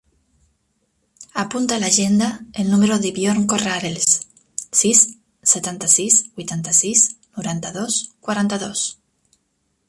Apunta a l'agenda el número del Bjorn Corrales: sis, setanta-sis, vuitanta-sis, noranta-dos, quaranta-dos.